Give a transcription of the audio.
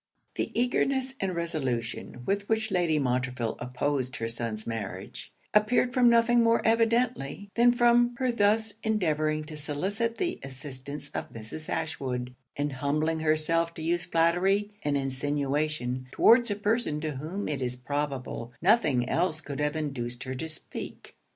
The eagerness and resolution with which Lady Montreville opposed her son's marriage, appeared from nothing more evidently, than from her thus endeavouring to solicit the assistance of Mrs. Ashwood, and humbling herself to use flattery and insinuation towards a person to whom it is probable nothing else could have induced her to speak.